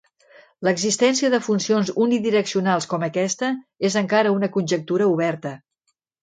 L'existència de funcions unidireccionals com aquesta és encara una conjectura oberta.